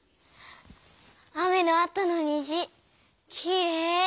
雨のあとのにじきれい。